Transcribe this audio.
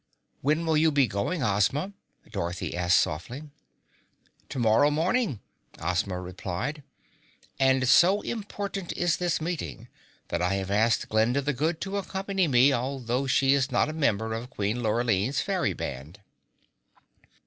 "When will you be going, Ozma?" Dorothy asked softly. "Tomorrow morning," Ozma replied. "And so important is this meeting that I have asked Glinda the Good to accompany me, although she is not a member of Queen Lurline's fairy band."